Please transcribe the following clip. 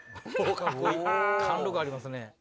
貫禄ありますね。